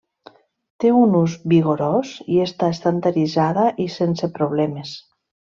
Té un ús vigorós i està estandarditzada i sense problemes.